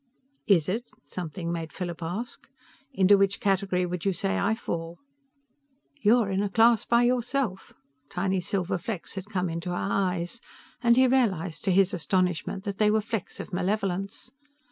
"Is it?" something made Philip ask. "Into which category would you say I fall?" "You're in a class by yourself." Tiny silver flecks had come into her eyes, and he realized to his astonishment that they were flecks of malevolence.